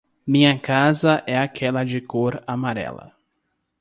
Minha casa é aquela de cor amarela.